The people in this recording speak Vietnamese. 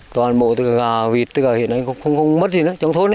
toàn bộ từ gà vịt tức là hiện nay cũng không mất gì nữa trong thôn ấy